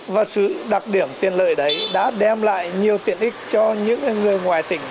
và sự đặc điểm tiện lợi đấy đã đem lại nhiều tiện ích cho những người ngoài tỉnh